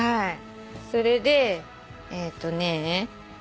それでえっとね